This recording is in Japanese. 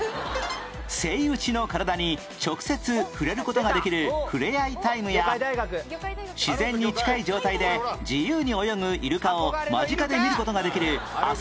セイウチの体に直接触れる事ができるふれあいタイムや自然に近い状態で自由に泳ぐイルカを間近で見る事ができるあそ